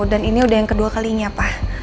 dan ini udah yang kedua kalinya pak